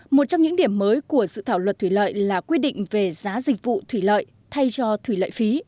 một trong những điểm mới của dự thảo luật thủy lợi là quy định về giá dịch vụ thủy lợi thay cho thủy lợi phí